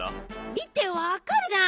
見てわかるじゃん。